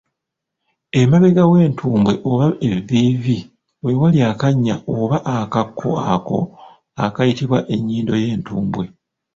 Emabega w’entumbwe oba evviivi we wali akannya oba akakko ako akayitibwa ennyindo y’entumbwe.